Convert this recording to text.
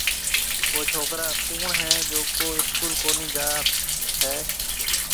او ڇوڪرا ڪوُڻ هيَ جڪو اسڪول ڪونِي جائي هيَ۔